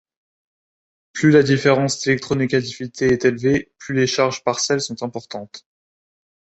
Plus la différence d'électronégativité est élevée, plus les charges partielles sont importantes.